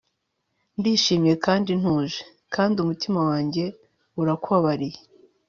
ndishimye kandi ntuje, kandi umutima wanjye urakubabariye